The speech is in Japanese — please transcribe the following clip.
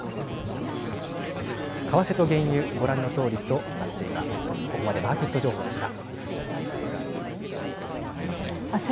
為替と原油ご覧のとおりとなっています。